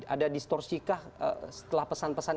ada distorsi kah setelah pesan pesan